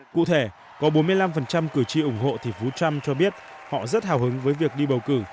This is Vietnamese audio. cụ thể có bốn mươi năm cử tri ủng hộ thì phú trump cho biết họ rất hào hứng với việc đi bầu cử